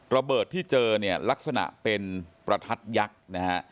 ระเบิดที่เจอลักษณะเป็นประทัดยักษ์